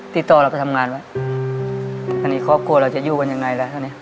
ติดต่อเราไปทำงานไว้อันนี้ครอบครัวเราจะอยู่กันยังไงแล้วตอนนี้